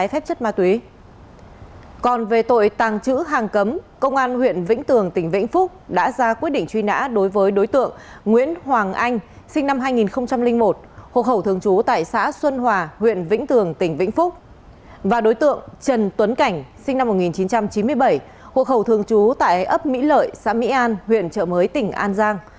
học hậu thường trú tại ấp mỹ lợi xã mỹ an huyện trợ mới tỉnh an giang